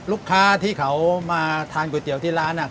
ลูกค้าที่เขามาทานก๋วยเตี๋ยวที่ร้าน